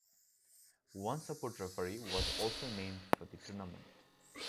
One support referee was also named for the tournament.